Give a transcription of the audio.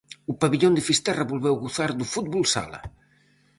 O pavillón de Fisterra volveu gozar do fútbol sala.